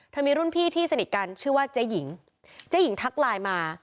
มีรุ่นพี่ที่สนิทกันชื่อว่าเจ๊หญิงเจ๊หญิงทักไลน์มา